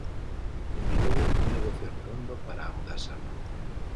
Dende logo, un negocio redondo para Audasa.